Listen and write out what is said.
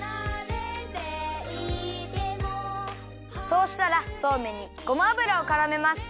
そうしたらそうめんにごま油をからめます。